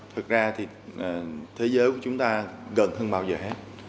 thực ra thì thế giới của chúng ta gần hơn bao giờ hết